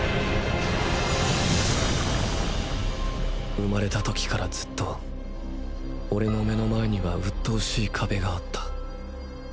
生まれた時からずっとオレの目の前にはうっとうしい壁があった。